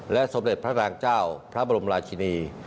สมเด็จพระนางเจ้าพระบรมราชินี